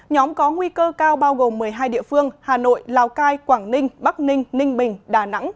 nhóm có nguy cơ cao bao gồm một mươi hai địa phương hà nội lào cai quảng ninh bắc ninh ninh bình đà nẵng